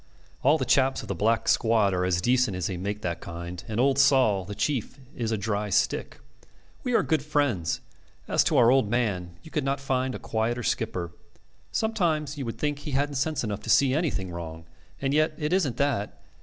... All the chaps of the black squad are as decent as they make that kind, and old Sol, the Chief, is a dry stick. We are good friends. As to our old man, you could not find a quieter skipper. Sometimes you would think he hadn't sense enough to see anything wrong. And yet it isn't that.